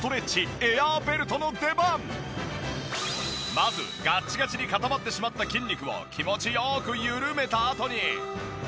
まずガッチガチに固まってしまった筋肉を気持ち良く緩めたあとに。